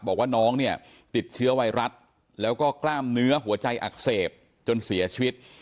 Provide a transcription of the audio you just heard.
บอกว่าน้องเนี่ยติดเชื้อไวรัสแล้วก็กล้ามเนื้อหัวใจอักเสบจนเสียชีวิต